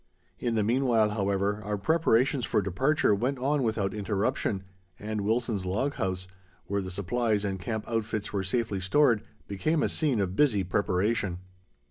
In the meanwhile, however, our preparations for departure went on without interruption, and Wilson's log house, where the supplies and camp outfits were safely stored, became a scene of busy preparation.